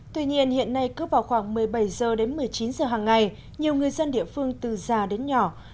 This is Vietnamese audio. tuy nhiên hiện nay cứ vào khoảng một mươi bảy h đến một mươi chín h hàng ngày nhiều người dân địa phương từ già đến nhỏ